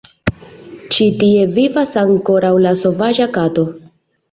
Ĉi tie vivas ankoraŭ la sovaĝa kato.